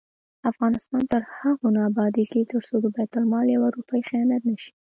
افغانستان تر هغو نه ابادیږي، ترڅو د بیت المال یوه روپۍ خیانت نشي.